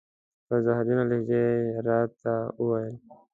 په زهرجنه لهجه یې را ته و ویل: